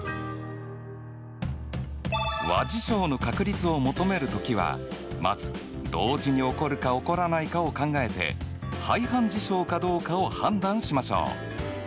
和事象の確率を求める時はまず同時に起こるか起こらないかを考えて排反事象かどうかを判断しましょう！